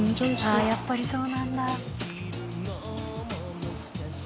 あっやっぱりそうなんだ。